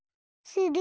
する？